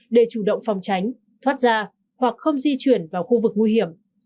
để chủ động phòng tránh thoát ra hoặc không di chuyển vào khu vực nguy hiểm